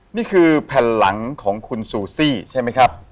นี่คือแผ่นหลังของคุณซูซี่ใช่ไหมครับ